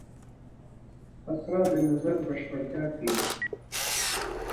فقره د نظر بشپړتیا ښيي.